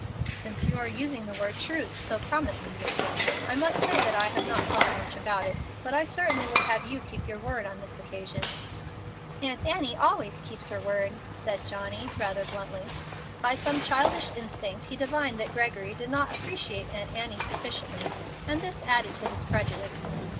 "Since you are using the word 'truth' so prominently, Miss Walton, I must say that I have not thought much about it. But I certainly would have you keep your word on this occasion." "Aunt Annie always keeps her word," said Johnny, rather bluntly. By some childish instinct he divined that Gregory did not appreciate Aunt Annie sufficiently, and this added to his prejudice.